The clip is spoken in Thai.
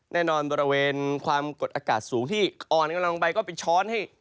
แน่นอนบริเวณความกดอากาศสูงที่อ่อนกำลังไปก็ไปช้อนให้